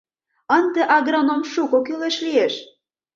Ынде агроном шуко кӱлеш лиеш...